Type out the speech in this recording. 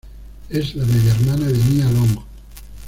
Es la media hermana de Nia Long.